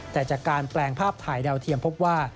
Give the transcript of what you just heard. แต่จากการแปลงภาพถ่ายดาวเทียมพบว่า